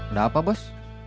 udah apa bos